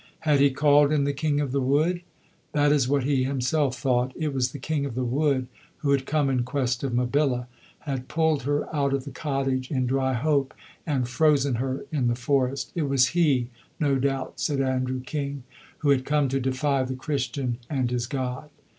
Had he called in the King of the Wood? That is what he himself thought. It was the King of the Wood who had come in quest of Mabilla, had pulled her out of the cottage in Dryhope and frozen her in the forest. It was he, no doubt, said Andrew King, who had come to defy the Christian and his God.